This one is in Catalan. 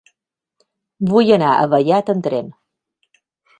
Vull anar a Vallat amb tren.